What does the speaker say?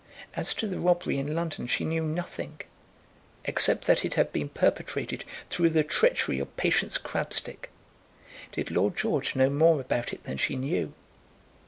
As to the robbery in London she knew nothing, except that it had been perpetrated through the treachery of Patience Crabstick. Did Lord George know more about it than she knew?